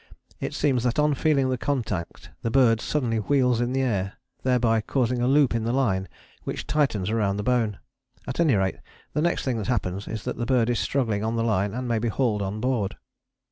It seems that on feeling the contact the bird suddenly wheels in the air, thereby causing a loop in the line which tightens round the bone. At any rate the next thing that happens is that the bird is struggling on the line and may be hauled on board.